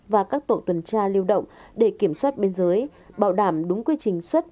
và các tổ tuần tra lưu động để kiểm soát biên giới bảo đảm đúng quy trình xuất